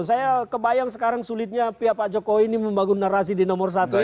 saya kebayang sekarang sulitnya pihak pak jokowi ini membangun narasi di nomor satu ini